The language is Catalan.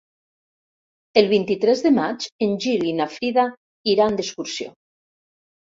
El vint-i-tres de maig en Gil i na Frida iran d'excursió.